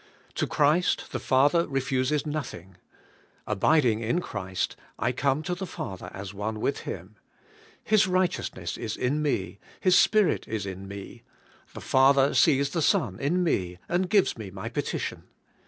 To Christ the Father refuses nothing. Abiding in Christ, I come to the Father as one with Him. His righteousness is in me. His Spirit is in me; the Father sees the Son in me, and gives me my petition.